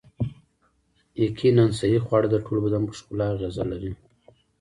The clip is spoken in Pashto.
یقیناً صحي خواړه د ټول بدن په ښکلا اغیزه لري